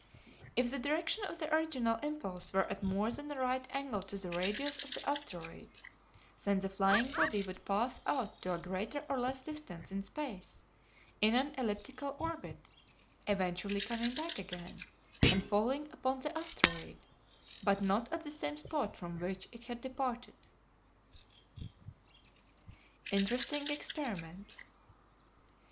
If the direction of the original impulse were at more than a right angle to the radius of the asteroid, then the flying body would pass out to a greater or less distance in space in an elliptical orbit, eventually coming back again and falling upon the asteroid, but not at the same spot from which it had departed. Interesting Experiments.